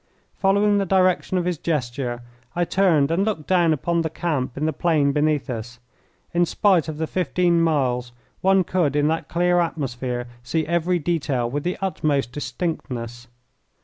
Following the direction of his gesture, I turned and looked down upon the camp in the plain beneath us. In spite of the fifteen miles, one could in that clear atmosphere see every detail with the utmost distinctness.